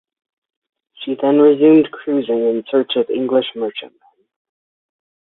She then resumed cruising in search of English merchantmen.